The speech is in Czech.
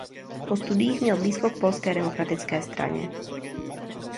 Po studiích měl blízko k Polské demokratické straně.